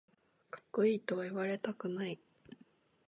かっこいいとは言われたくない